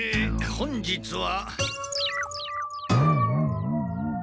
本日は。